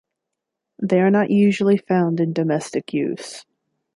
They are not usually found in domestic use.